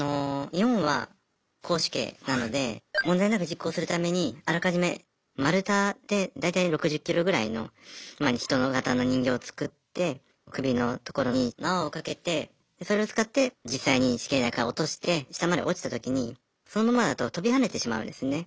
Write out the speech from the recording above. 日本は絞首刑なので問題なく実行するためにあらかじめ丸太で大体６０キロぐらいの人がたの人形を作って首のところに縄を掛けてそれを使って実際に死刑台から落として下まで落ちたときにそのままだと跳びはねてしまうんですね。